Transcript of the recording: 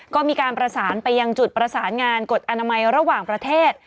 ก็มีการประสานไปยังจุดประสานงานกฎอนามัยระหว่างประเทศ